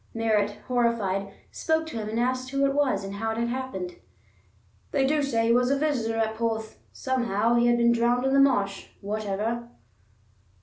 Merritt, horrified, spoke to him and asked who it was, and how it had happened. "They do say he was a visitor at Porth. Somehow he has been drowned in the marsh, whatever."